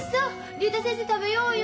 竜太先生食べようよ。